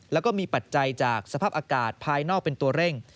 แล้วก็มีปัจจัยจากสภาพอากาศภายนอกเป็นตัวเร่ง